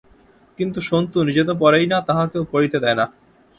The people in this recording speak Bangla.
কিন্তু সন্তু নিজে তো পড়েই না, তাহাকেও পড়িতে দেয় না।